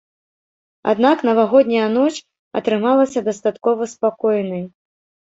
Аднак навагодняя ноч атрымалася дастаткова спакойнай.